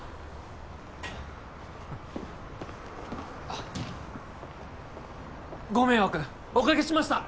あっご迷惑おかけしました